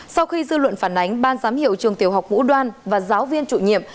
sau khi dư luận phản ánh ban giám hiệu trường tiểu học ngũ đoan và giáo viên chủ nhiệm